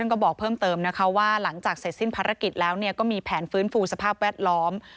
ก็บอกเพิ่มเติมนะคะว่าหลังจากเสร็จสิ้นภารกิจแล้วก็มีแผนฟื้นฟูสภาพแวดล้อม